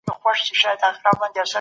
صدقه د انسان په ژوند کي سکون راولي.